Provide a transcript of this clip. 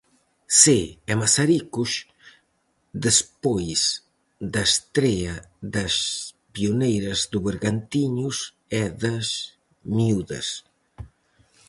Cee e Mazaricos, despois da estrea das pioneiras do Bergantiños e das Miúdas.